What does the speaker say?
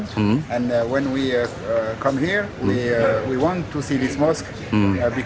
dan ketika kami datang ke sini kami ingin melihat masjid ini